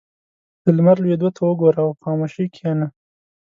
• د لمر لوېدو ته وګوره او په خاموشۍ کښېنه.